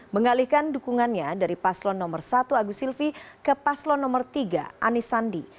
mengalihkan dukungannya dari paslon no satu agus silvi ke paslon no tiga anisandi